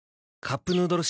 「カップヌードル」